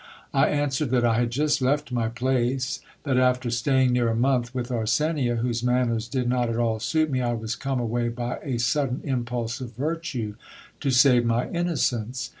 I an s .vered that I had just left my place ; that after staying near a month with Arsenia, whose manners did not at all suit me, I was come away by a sudden impulse of virtue, to save my innocence.